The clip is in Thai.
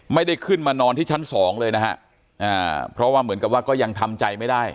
ไม่ได้ขึ้นมานอนที่ชั้นสองเลยนะฮะอ่าเพราะว่าเหมือนกับว่าก็ยังทำใจไม่ได้